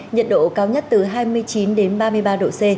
nhiệt độ cao nhất từ hai mươi chín đến ba mươi ba độ c